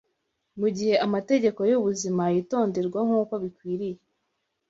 Mu gihe amategeko y’ubuzima yitonderwa nk’uko bikwiriye